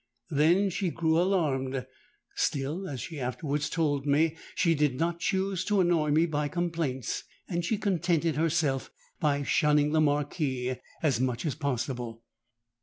Then she grew alarmed: still, as she afterwards told me, she did not choose to annoy me by complaints; and she contented herself by shunning the Marquis as much as possible.